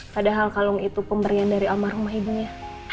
padahal kalung itu pemberian dari almarhumah ibunya